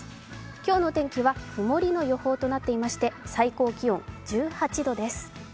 今日の天気は曇りの予報となっていまして、最高気温１８度です。